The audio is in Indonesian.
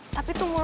tapi tuh mau nge